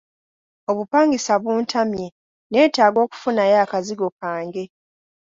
Obupangisa buntamye neetaaga okufunayo akazigo kange.